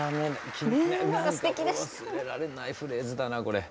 忘れられないフレーズだなこれ。